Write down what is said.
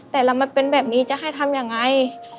แต่เรามาเป็นแบบนี้จะให้ทำยังไง